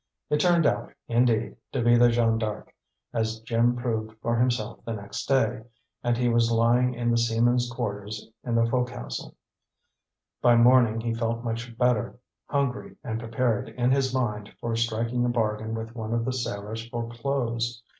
It turned out, indeed, to be the Jeanne D'Arc, as Jim proved for himself the next day, and he was lying in the seamen's quarters in the fo'cas'le. By morning he felt much better, hungry, and prepared in his mind for striking a bargain with one of the sailors for clothes.